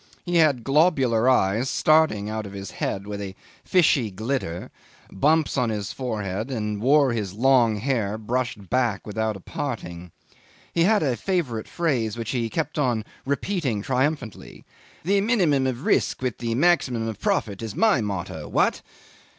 He had globular eyes starting out of his head with a fishy glitter, bumps on his forehead, and wore his long hair brushed back without a parting. He had a favourite phrase which he kept on repeating triumphantly, "The minimum of risk with the maximum of profit is my motto. What?"